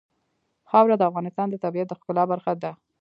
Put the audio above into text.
خاوره د افغانستان د طبیعت د ښکلا برخه ده.